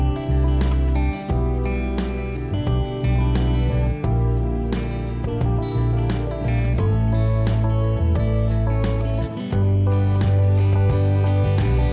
hẹn gặp lại